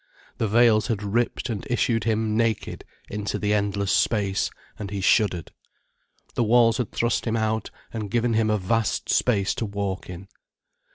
The veils had ripped and issued him naked into the endless space, and he shuddered. The walls had thrust him out and given him a vast space to walk in.